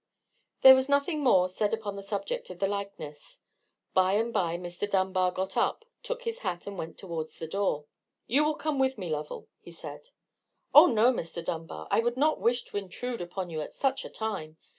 There was nothing more said upon the subject of the likeness; by and by Mr. Dunbar got up, took his hat, and went towards the door. "You will come with me, Lovell," he said. "Oh, no, Mr. Dunbar. I would not wish to intrude upon you at such a time.